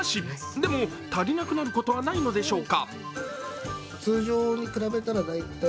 でも、足りなくなることはないのでしょうか。